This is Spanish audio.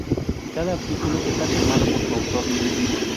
Cada artículo está firmado por su autor.